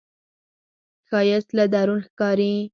ښایست له درون ښکاري